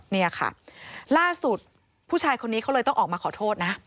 เนี่ยค่ะล่าสุดผู้ชายคนนี้เขาเลยต้องออกมาขอโทษนะ